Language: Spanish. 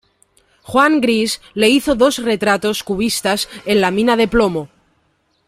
Juan Gris le hizo dos retratos cubistas en la mina de plomo.